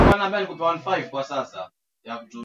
kutokana na kufufuliwa kwa sekta ya huduma